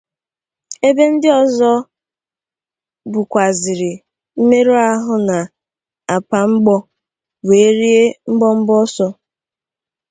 ebe ndị ọzọ bukwzịrị mmerụahụ nà àpà mgbọ wee rie mbọmbọ ọsọ.